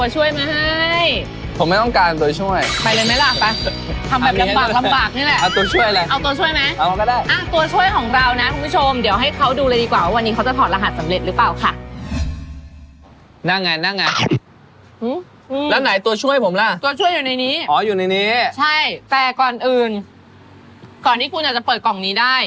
สบายมากครับผม